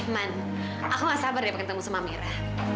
man aku gak sabar deh ketemu sama mira